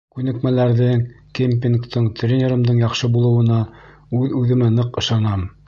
Күнекмәләрҙең, кэмпингтың, тренерымдың яҡшы булыуына, үҙ-үҙемә ныҡ ышанам.